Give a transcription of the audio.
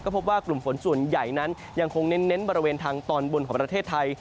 พบว่ากลุ่มฝนส่วนใหญ่นั้นยังคงเน้นบริเวณทางตอนบนของประเทศไทย